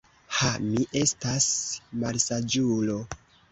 Ha, mi estas malsaĝulo.